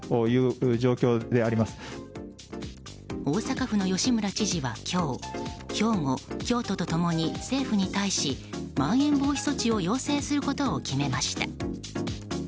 大阪府の吉村知事は今日兵庫、京都と共に政府に対し、まん延防止措置を要請することを決めました。